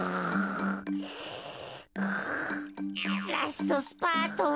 ラストスパートは。